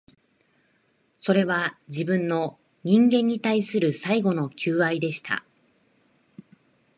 それは、自分の、人間に対する最後の求愛でした